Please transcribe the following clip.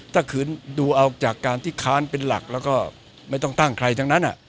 ถ้าขืนดูเอาจากการที่ค้านเป็นหลักแล้วก็ไม่ต้องตั้งใครทั้งนั้น